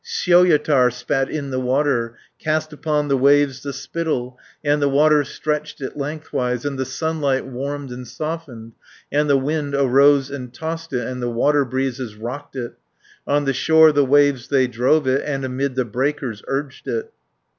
Syöjätär spat in the water, Cast upon the waves the spittle, And the water stretched it lengthwise. And the sunlight warmed and softened. And the wind arose and tossed it, And the water breezes rocked it, 600 On the shore the waves they drove it, And amid the breakers urged it."